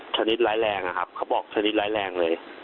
ชนิดไร้แรงครับเขาบอกชนิดไร้แรงเลย